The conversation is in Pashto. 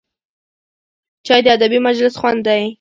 چای د ادبي مجلس خوند دی